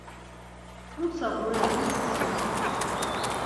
T̆utsa bureğis komuxedes.